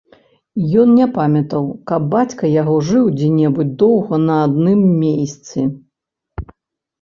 Ён не памятаў, каб бацька яго жыў дзе небудзь доўга на адным мейсцы.